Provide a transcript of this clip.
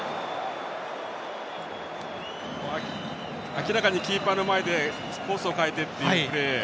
明らかに、キーパーの前でコースを変えてというプレー。